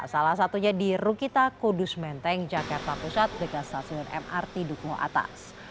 salah satunya di rukita kudus menteng jakarta pusat dekat stasiun mrt dukuh atas